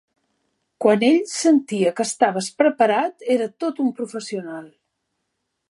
Quan ell sentia que estaves preparat, era tot un professional.